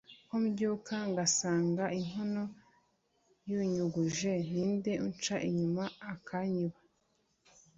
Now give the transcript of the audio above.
ko mbyuka ngasanga inkono yunyuguje, ninde unca inyuma akanyiba ?